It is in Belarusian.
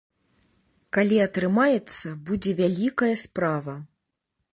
Калі атрымаецца, будзе вялікая справа.